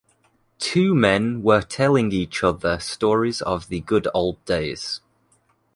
Two men were telling each other stories of the good old days.